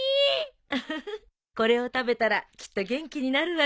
ウフフこれを食べたらきっと元気になるわよ。